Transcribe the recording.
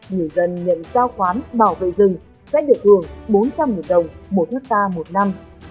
người dân nhận giao khoán bảo vệ rừng sẽ được hưởng bốn trăm linh đồng một hectare một năm